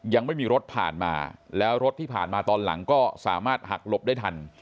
ยังไม่มีรถผ่านมาแล้วรถที่ผ่านมาตอนหลังก็สามารถหักหลบได้ทัน